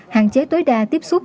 hạn chế tối đa tiếp xúc